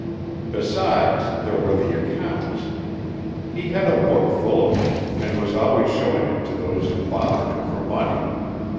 Besides, there were the accounts. He had a book full of them, and was always showing it to those who bothered him for money.